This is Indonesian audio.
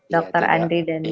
dokter andri dan pri